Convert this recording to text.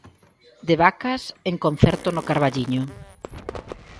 De Vacas, en concerto no Carballiño.